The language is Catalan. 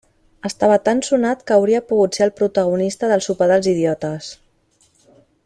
Estava tan sonat que hauria pogut ser el protagonista del sopar dels idiotes.